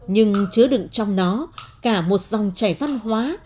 nhưng chứa đựng trong nó cả một dòng chảy văn hóa